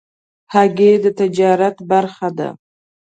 هګۍ د تجارت برخه ده.